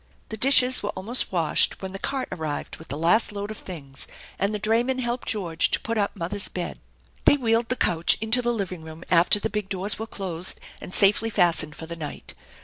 The dishes were almost washed when the cart arrived with the last load of things, and the drayman helped George to put up mother's bed. They wheeled the couch into the living room after the big doors were closed and safely fastened for the night.